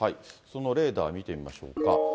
そのレーダー見てみましょうか。